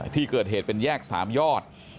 ที่เกิดเหตุเป็นแยก๓ยอด